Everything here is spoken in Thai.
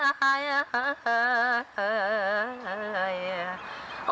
โอ้ยน้องเบิด